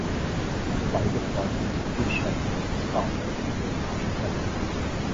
Beide traten in die Fußstapfen ihres Vaters und wurden Architekten.